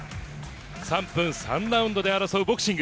３分３ラウンドで争うボクシング。